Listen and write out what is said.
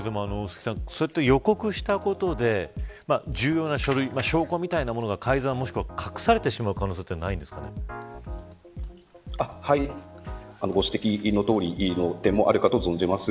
予告したことで重要な書類、証拠みたいなものが改ざんもしくは隠されてしまうご指摘のとおりの点もあるかと存じます。